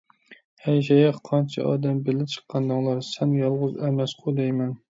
ھەي شەيخ، قانچە ئادەم بىللە چىققانىدىڭلار؟ سەن يالغۇز ئەمەسقۇ دەيمەن!